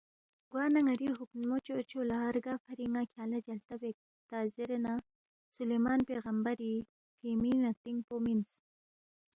گوانہ ن٘ری ہُوکھنمو چوچو لہ رگا فری ن٘ا کھیانگ لہ جلتہ بیک تا زیرے نہ سلیمان پیغمبری فِینگمی نتِنگ پو مِنس